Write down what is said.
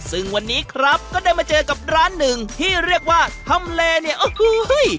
ซึ่งวันนี้ครับก็ได้มาเจอกับร้านหนึ่งที่เรียกว่าทำเลเนี่ยโอ้โห